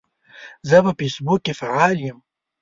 زه په فیسبوک کې فعال یم.